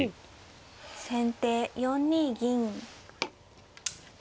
先手４二銀。